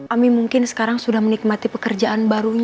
ami mungkin sekarang sudah menikmati pekerjaan barunya